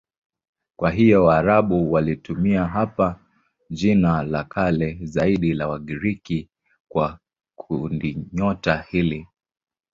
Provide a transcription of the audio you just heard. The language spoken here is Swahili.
Kwa hiyo Waarabu walitumia hapa jina la kale zaidi la Wagiriki kwa kundinyota hili.